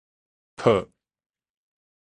粕